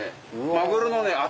マグロの頭。